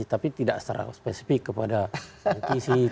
tapi tidak secara spesifik kepada politisi